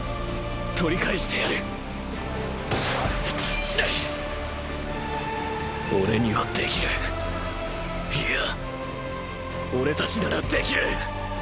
取り返してやるオレにはできるいやオレたちならできる！！